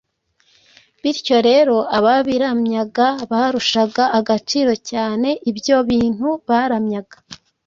bityo rero ababiramyaga barushaga agaciro cyane ibyo bintu baramyaga.